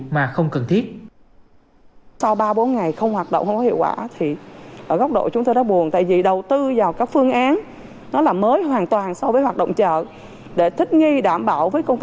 mà không cần thiết